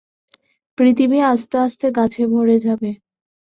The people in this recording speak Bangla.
পৃথিবী আস্তে-আস্তে গাছে ভরে যাবে।